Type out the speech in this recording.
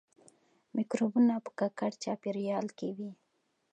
مکروبونه په ککړ چاپیریال کې وي